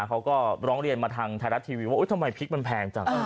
เขาก็ร้องเรียนมาทางไทยรัฐทีวีว่าทำไมพริกมันแพงจัง